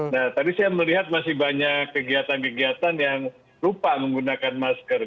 nah tadi saya melihat masih banyak kegiatan kegiatan yang lupa menggunakan masker